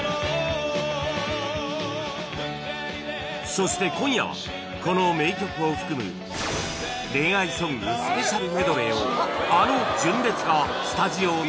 そして今夜はこの名曲を含む恋愛ソングスペシャルメドレーをあの純烈がスタジオ生歌唱！